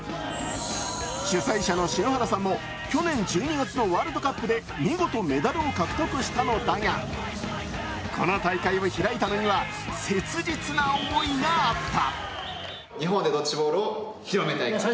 主催者の篠原さんも去年１２月のワールドカップで見事メダルを獲得したのだが、この大会を開いたのには切実な思いがあった。